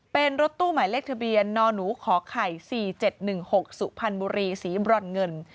เป็นรถตู้หมายเลขทะเบียนนหนูขอไข่๔๗๑๖สุพรรณบุรีสีบรอนเงิน